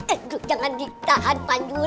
aduh jangan ditahan panjul